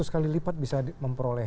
satu kali lipat bisa memperoleh